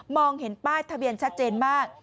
เห็นป้ายทะเบียนชัดเจนมาก